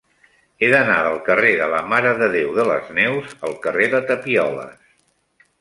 He d'anar del carrer de la Mare de Déu de les Neus al carrer de Tapioles.